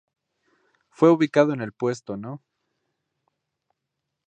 Fue ubicado en el puesto No.